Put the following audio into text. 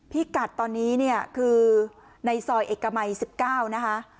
พี่กัดตอนนี้เนี่ยคือในซอยเอกมัย๑๙นะคะ